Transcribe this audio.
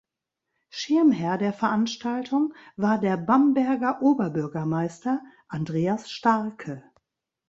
Schirmherr der Veranstaltung war der Bamberger Oberbürgermeister Andreas Starke.